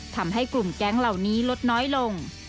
ทำให้กลุ่มแก๊งเหล่านี้ลดน้อยลง